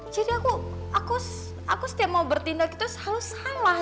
jadi aku aku setiap mau bertindak itu selalu salah